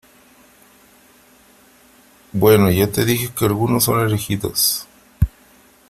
bueno , ya te dije que algunos son elegidos ,